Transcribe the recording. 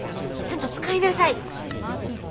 ちゃんと使いなさい。